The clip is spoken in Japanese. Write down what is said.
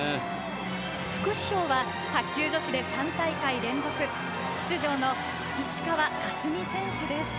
副主将は卓球女子で３大会連続出場の石川佳純選手です。